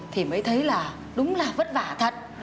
thì mới thấy là đúng là vất vả thật